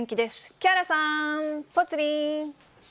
木原さん、ぽつリン。